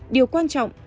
điều quan trọng